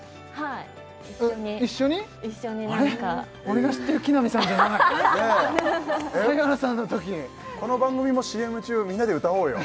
俺が知ってる木南さんじゃない「サイハラさん」のときこの番組もＣＭ中みんなで歌おうよ